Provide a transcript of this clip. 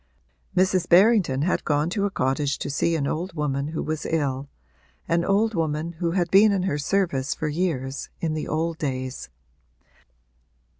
Mrs. Berrington had gone to a cottage to see an old woman who was ill an old woman who had been in her service for years, in the old days.